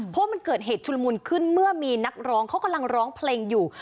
เพราะมันเกิดเหตุชุลมุนขึ้นเมื่อมีนักร้องเขากำลังร้องเพลงอยู่